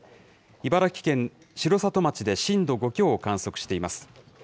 茨城県城里町で震度５強を観測しています。